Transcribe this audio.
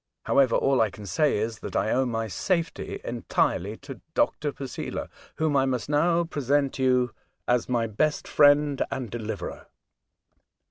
However, all I can say is, that I owe my safety entirely to Dr. Posela, whom I must now present you as my best friend and deliverer."